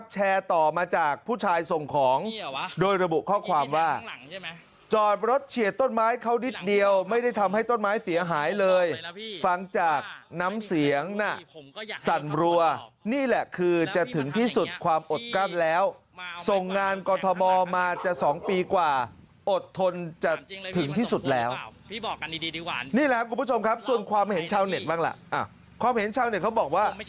แชร์ต่อมาจากผู้ชายส่งของโดยระบุข้อความว่าจอดรถเฉียดต้นไม้เขานิดเดียวไม่ได้ทำให้ต้นไม้เสียหายเลยฟังจากน้ำเสียงน่ะสั่นรัวนี่แหละคือจะถึงที่สุดความอดกั้นแล้วส่งงานกรทมมาจะสองปีกว่าอดทนจะถึงที่สุดแล้วนี่แหละคุณผู้ชมครับส่วนความเห็นชาวเน็ตบ้างล่ะความเห็นชาวเน็ตเขาบอกว่า